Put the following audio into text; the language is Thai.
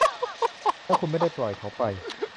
และคุณไม่ได้ปล่อยเขาไป ?